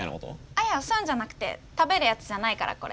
あっいやそういうんじゃなくて食べるやつじゃないからこれ。